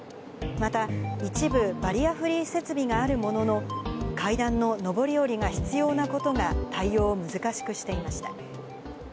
また一部、バリアフリー設備があるものの、階段の上り下りが必要なことが、対応を難しくしていました。